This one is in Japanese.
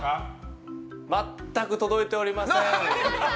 全く届いておりません！